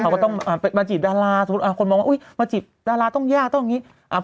เขาก็ต้องมาจีบดาราสมมุติคนมองว่าอุ๊ยมาจีบดาราต้องยากต้องอย่างนี้